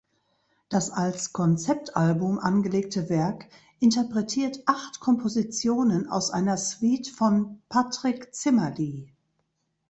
Das als Konzeptalbum angelegte Werk interpretiert acht Kompositionen aus einer Suite von Patrick Zimmerli.